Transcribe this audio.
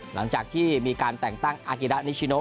หลังจากที่มีการแต่งตั้งอากิระนิชิโน